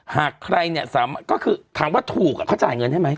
หากใครเนี่ยก็คือถามว่าถูกเขาจ่ายเงินให้ไหม